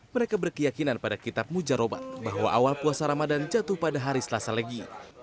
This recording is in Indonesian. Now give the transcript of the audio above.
mereka berkeyakinan pada kitab mujarobat bahwa awal puasa ramadan jatuh pada hari selasa legi